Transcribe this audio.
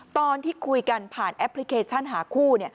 ตอนที่คุยกันผ่านแอปพลิเคชันหาคู่